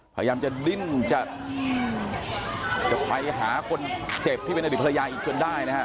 พยายามจะดิ้นจะไปหาคนเจ็บที่เป็นอดีตภรรยาอีกจนได้นะฮะ